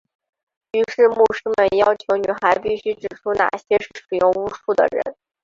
于是牧师们要求女孩必须指出哪些是使用巫术的人。